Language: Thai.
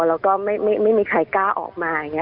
แล้วก็ไม่มีใครกล้าออกมา